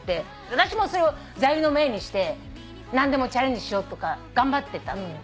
私もそれを座右の銘にして何でもチャレンジしようとか頑張ってたのね